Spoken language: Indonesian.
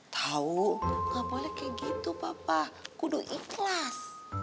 tau gak boleh kayak gitu papa kudu ikhlas